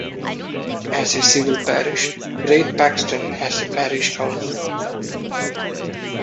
As a civil parish, Great Paxton has a parish council.